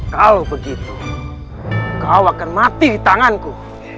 kalau begitu kau akan mati di tanganku